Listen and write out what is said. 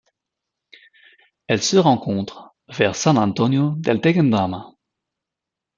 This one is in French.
Elle se rencontre vers San Antonio del Tequendama.